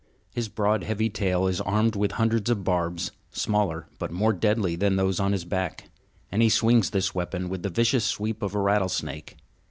His broad, heavy tail is armed with hundreds of barbs, smaller but more deadly than those on his back; and he swings this weapon with the vicious sweep of a rattlesnake.